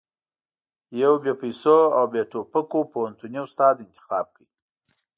يو بې پيسو او بې ټوپکو پوهنتوني استاد انتخاب کړ.